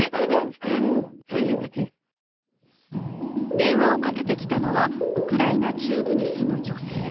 電話をかけてきたのはウクライナ中部に住む女性。